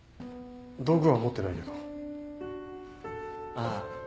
ああ